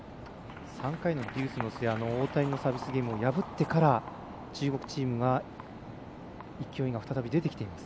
３回のデュースの末大谷のサービスゲームを破ってから、中国チームは勢いが再び出てきています。